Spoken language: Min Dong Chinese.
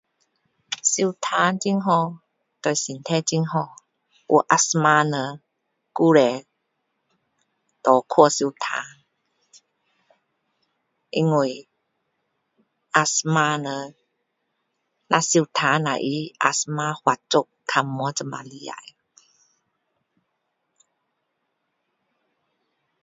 游泳很好对身体很好有气喘的人鼓励多去游泳因为气喘人若游泳了他气喘发作比较没这么厉害